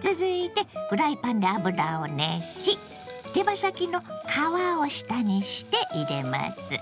続いてフライパンで油を熱し手羽先の皮を下にして入れます。